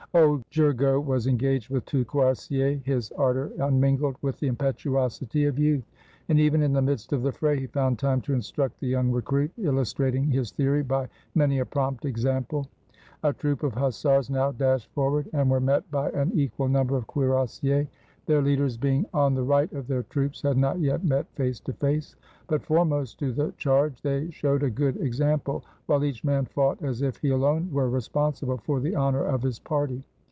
Old Gergo was engaged with two cuirassiers, his ardor unmingled with the impetuosity of youth; and even in the midst of the fray he found time to instruct the young recruit, illustrating his theory by many a prompt example. A troop of hussars now dashed forward and were met by an equal number of cuirassiers; their leaders, being 353 AUSTRIA HUNGARY on the right of their troops, had not yet met face to face, but, foremost to the charge, they showed a good exam ple, while each man fought as if he alone were responsi ble for the honor of his party.